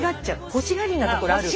欲しがりなところある。